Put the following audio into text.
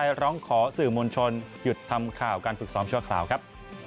ร้องขอสื่อมวลชนหยุดทำข่าวการฝึกซ้อมชั่วคราวครับ